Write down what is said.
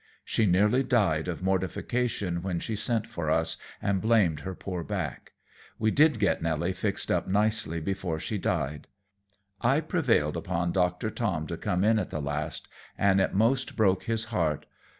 She nearly died of mortification when she sent for us, and blamed her poor back. We did get Nelly fixed up nicely before she died. I prevailed upon Doctor Tom to come in at the last, and it 'most broke his heart.